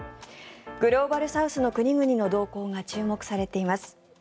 グローバルサウスの国々の動向が注目されています。